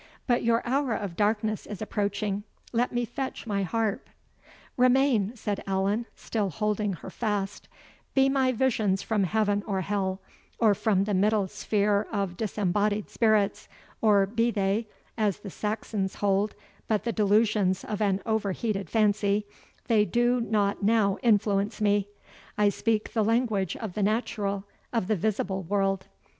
But your hour of darkness is approaching, let me fetch my harp " "Remain," said Allan, still holding her fast; "be my visions from heaven or hell, or from the middle sphere of disembodied spirits or be they, as the Saxons hold, but the delusions of an over heated fancy, they do not now influence me; I speak the language of the natural, of the visible world.